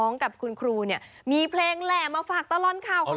น้ำตาตกโคให้มีโชคเมียรสิเราเคยคบกันเหอะน้ำตาตกโคให้มีโชค